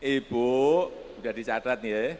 ibu sudah dicatat ya